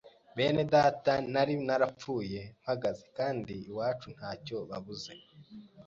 bene data nari narapfuye mpagaze kandi iwacu ntacyo babuze